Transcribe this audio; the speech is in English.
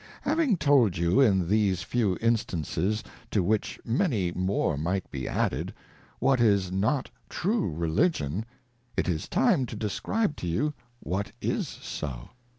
Having told you, in these few Instances, to which many more might be added, what is not true Religion ; it is time to describe to you, what is so.